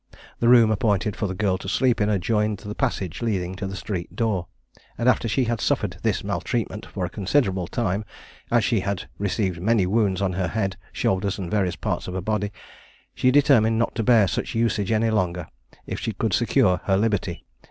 The room appointed for the girl to sleep in adjoined the passage leading to the street door; and, after she had suffered this maltreatment for a considerable time, as she had received many wounds on her head, shoulders, and various parts of her body, she determined not to bear such usage any longer, if she could secure her liberty.